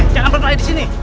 jangan berperan di sini